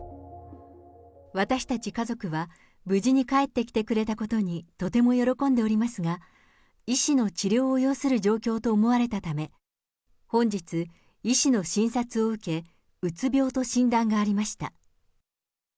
私たち家族は、無事に帰ってきてくれたことに、とても喜んでおりますが、医師の治療を要する状況と思われたため、本日、医師の診察を受け、うつ病と診断がありました。